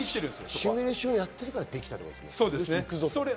シミュレーションをやってるからできたんですね。